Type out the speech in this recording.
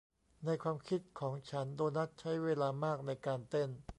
ในความคิดของฉันโดนัทใช้เวลามากในการเต้น